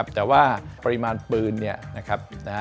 แต่ว่าปริมาณปืน